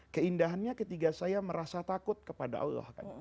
keindahannya ketika saya merasa takut kepada allah